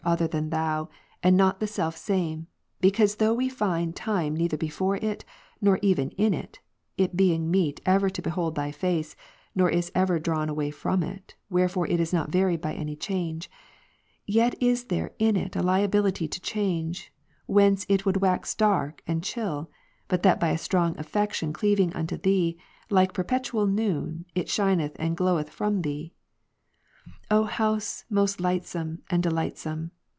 other than Thou, and not the Self same ': because though we ■•■ find time neither before it, nor even in it, (it being meet ever to behold Thy face, nor is ever drawn away from it, wherefore it is not varied by any change,) yet is there in it a liability to change, whence it would wax dark, and chill, but that by a strong affection cleaving unto Thee, like perpetual noon, it shineth and gloweth from Thee. O house most lightsome Ps. 26, and delightsome